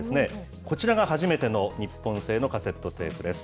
こちらが初めての日本製のカセットテープです。